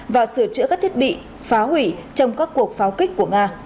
và sửa chữa các thiết bị phá hủy trong các cuộc pháo kích của nga